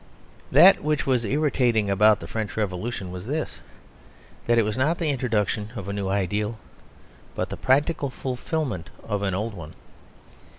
That which was irritating about the French Revolution was this that it was not the introduction of a new ideal, but the practical fulfilment of an old one.